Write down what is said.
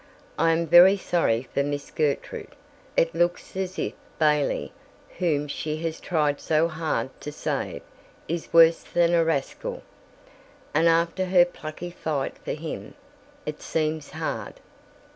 I am very sorry for Miss Gertrude. It looks as if Bailey, whom she has tried so hard to save, is worse than a rascal; and after her plucky fight for him, it seems hard."